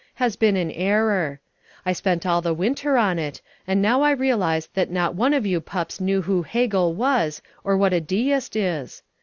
has been an error. I spent all the winter on it and now I realise that not one of you pups know who Hegel was or what a deist is.